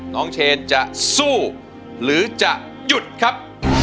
เชนจะสู้หรือจะหยุดครับ